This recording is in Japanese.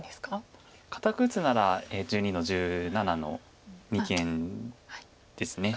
堅く打つなら１２の十七の二間です。